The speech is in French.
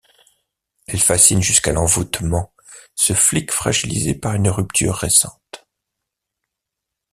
Elle fascine jusqu'à l’envoûtement ce flic fragilisé par une rupture récente.